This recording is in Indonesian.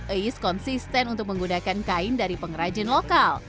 ais konsisten untuk menggunakan kain dari pengrajin lokal